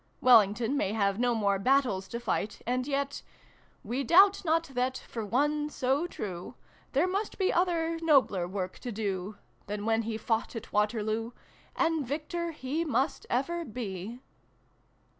Wellington may have no more battles to fight and yet ' We doubt not that, for one so true, There must be other, nobler work to do, Than when he fought at Waterloo, And Victor he must ever be